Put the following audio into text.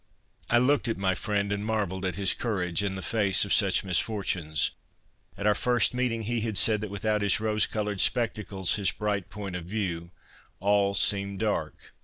I looked at my friend and marvelled at his courage in the face of such misfortunes. At our first meeting he had said that without his rose coloured spectacles, his bright point of view, all seemed dark.